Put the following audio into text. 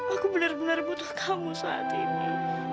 aku benar benar butuh kamu saat ini